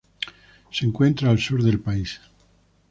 Se encuentra al sur del país.